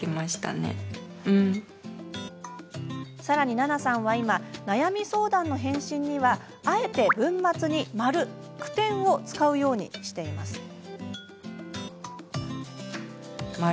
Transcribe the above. さらに、奈々さんは今悩み相談の返信にはあえて文末に「。」句点を使うようにしています。